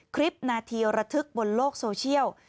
คลิปนาทีระทึกบนโลกโซเชียล